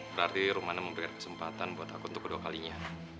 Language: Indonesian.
berarti rumana memberikan kesempatan buat aku untuk kedua kalinya